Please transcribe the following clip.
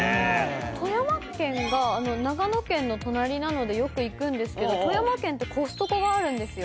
富山県が長野県の隣なのでよく行くんですけど富山県ってＣＯＳＴＣＯがあるんですよ。